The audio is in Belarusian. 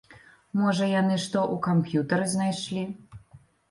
Можа яны што ў камп'ютары знайшлі?